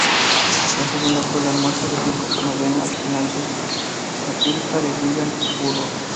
La segunda fue El Almuerzo Desnudo, novela alucinante y satírica de William S. Burroughs.